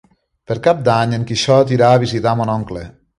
Per Cap d'Any en Quixot irà a visitar mon oncle.